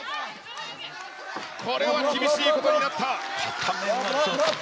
これは厳しいことになった。